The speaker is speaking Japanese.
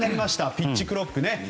ピッチクロック。